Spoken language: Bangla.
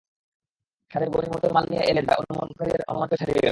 সাথে এতো গনীমতের মাল নিয়ে এলেন যা অনুমানকারীদের অনুমানকেও ছাড়িয়ে গেল।